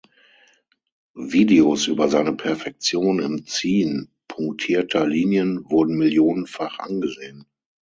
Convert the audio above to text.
Videos über seine Perfektion im Ziehen punktierter Linien wurden millionenfach angesehen.